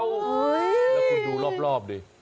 เดี๋ยวคุณดูรอบดิ